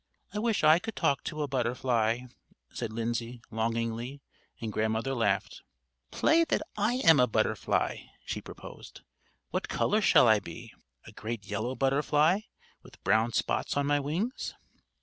"I wish I could talk to a butterfly," said Lindsay, longingly; and Grandmother laughed. "Play that I am a butterfly," she proposed. "What color shall I be? a great yellow butterfly, with brown spots on my wings?"